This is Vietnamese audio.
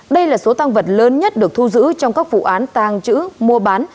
đây là số tăng vật lớn nhất được thu giữ trong các vụ án tàng trữ mua bán